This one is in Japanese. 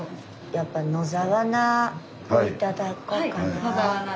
やっぱ野沢菜を頂こうかな。